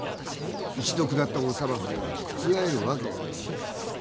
一度下ったお裁きが覆るわけがねえ。